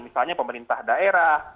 misalnya pemerintah daerah